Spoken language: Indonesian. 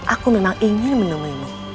aku memang ingin menemuinmu